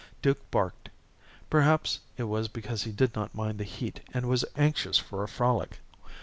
Duke barked. Perhaps it was because he did not mind the heat and was anxious for a frolic.